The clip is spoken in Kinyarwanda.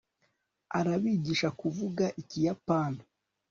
arabigisha kuvuga ikiyapani